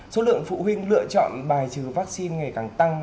số lượng phụ huynh lựa chọn bài trừ vaccine ngày càng tăng